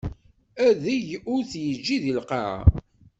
Adeg ur t-yeǧǧi di lqaɛa.